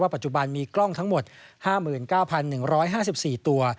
ปัจจุบันมีกล้องทั้งหมด๕๙๑๕๔ตัว